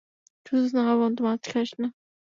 সুস্থ না হওয়া পর্যন্ত মাছ খাস না।